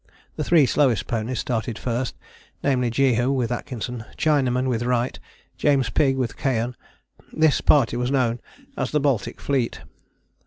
The three slowest ponies started first, namely, Jehu with Atkinson, Chinaman with Wright, James Pigg with Keohane. This party was known as the Baltic Fleet.